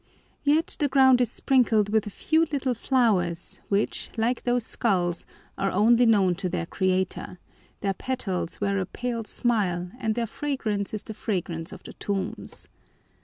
Yet the ground is sprinkled with a few little flowers which, like those skulls, are known only to their Creator; their petals wear a pale smile and their fragrance is the fragrance of the tombs.